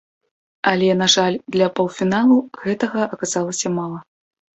Але, на жаль, для паўфіналу гэтага аказалася мала.